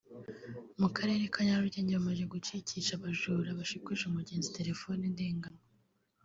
mu Karere ka Nyarugenge bamaze gucikisha Abajura bashikuje umugenzi telefone ndenganwa